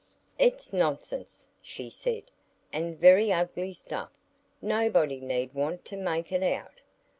"It's nonsense!" she said, "and very ugly stuff; nobody need want to make it out."